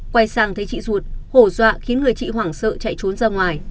quay sang thấy chị ruột hổ dọa khiến người chị hoảng sợ chạy trốn ra ngoài